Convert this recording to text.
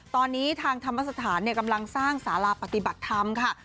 ตอนนี้ทางธรรมสถานกำลังสร้างสาราปฏิบัติธรรมค่ะ